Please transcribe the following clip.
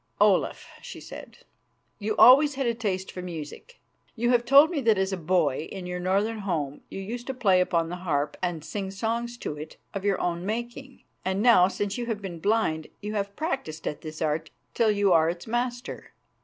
"Olaf," she said, "you always had a taste for music. You have told me that as a boy in your northern home you used to play upon the harp and sing songs to it of your own making, and now, since you have been blind, you have practised at this art till you are its master.